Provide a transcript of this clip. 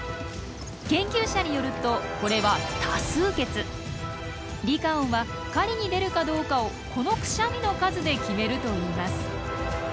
研究者によるとこれはリカオンは狩りに出るかどうかをこのクシャミの数で決めるといいます。